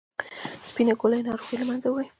سپینې ګولۍ ناروغي له منځه وړي.